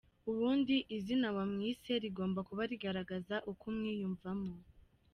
Ubundi izina wamwise rigomba kuba rigaragaza uko umwiyumvamo.